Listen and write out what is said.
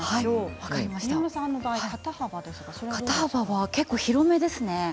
肩幅は結構、広めですね。